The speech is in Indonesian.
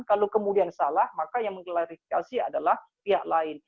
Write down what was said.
kalau kemudian salah maka yang mengklarifikasi adalah pihak lain